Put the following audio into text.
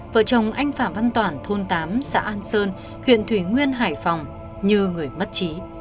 vợ chồng anh phạm văn toản thôn tám xã an sơn huyện thủy nguyên hải phòng như người mất chí